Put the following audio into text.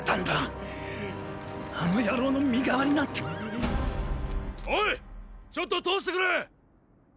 あのヤローの身代わりなんておいちょっと通してくれ！